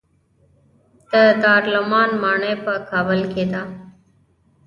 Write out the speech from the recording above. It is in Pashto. د دارالامان ماڼۍ په کابل کې ده